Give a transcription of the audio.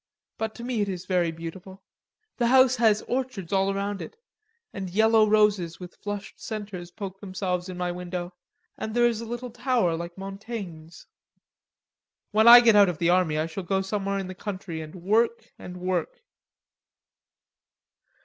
But to me it is very beautiful. The house has orchards all round it, and yellow roses with flushed centers poke themselves in my window, and there is a little tower like Montaigne's." "When I get out of the army, I shall go somewhere in the country and work and work."